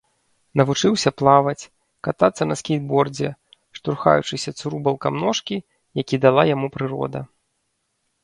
Навучыўся плаваць, катацца на скейтбордзе, штурхаючыся цурубалкам ножкі, які дала яму прырода.